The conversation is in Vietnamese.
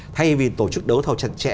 thay vì tổ chức đấu thầu chặt chẽ